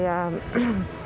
các đối tượng